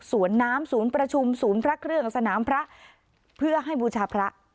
สวนน้ำศูนย์ประชุมศูนย์พระเครื่องสนามพระเพื่อให้บูชาพระ